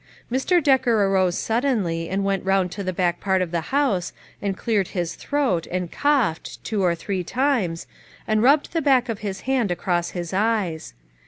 Mr. Decker arose suddenly and went round to the back part of the house, and cleared his throat, and coughed, two or three times, and rubbed the back of his hand across his eyes.